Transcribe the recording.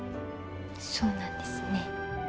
そうなんですね。